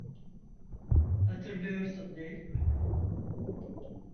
Hatırlıyorsun değil mi?